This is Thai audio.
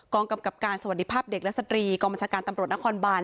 กำกับการสวัสดีภาพเด็กและสตรีกองบัญชาการตำรวจนครบาน